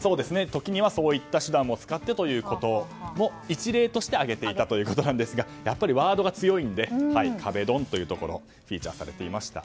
時にはそういった手段を使ってということの一例として挙げていたということですがやっぱりワードが強いので壁ドンというところがフィーチャーされていました。